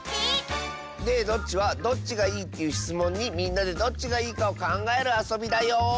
「ねえどっち？」は「どっちがいい？」っていうしつもんにみんなでどっちがいいかをかんがえるあそびだよ。